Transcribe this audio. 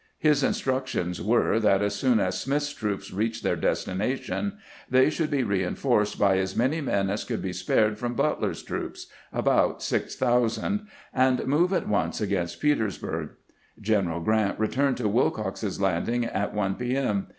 His instructions were that as soon as Smith's troops reached their destination they should be rein forced by as many men as could be spared from Butler's troops, — about 6000, — and move at once against Peters burg. General Grant returned to Wilcox's Landing at 1 P. M.